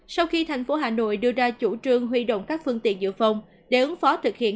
sau khi thành phố hà nội đưa ra chủ trương huy động các phương tiện dự phòng để ứng phó thực hiện